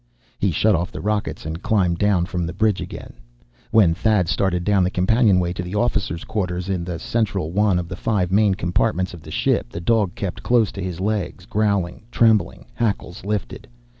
He shut off the rockets, and climbed down from the bridge again. When Thad started down the companionway to the officers' quarters, in the central one of the five main compartments of the ship, the dog kept close to his legs, growling, trembling, hackles lifted.